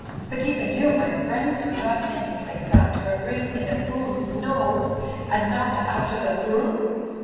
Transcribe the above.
But even you my friends, would not name a place after a ring in a BooFs nose and not after the Bool?